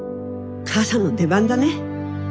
母さんの出番だね。